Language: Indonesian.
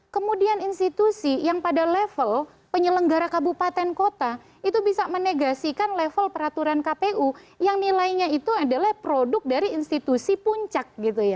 kemudian institusi yang pada level penyelenggara kabupaten kota itu bisa menegasikan level peraturan kpu yang nilainya itu adalah produk dari institusi puncak